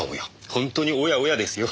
本当に「おやおや」ですよ。